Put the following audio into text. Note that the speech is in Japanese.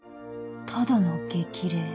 ただの激励